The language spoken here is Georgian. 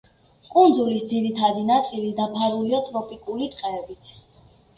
კუნძულის ძირითადი ნაწილი დაფარულია ტროპიკული ტყეებით.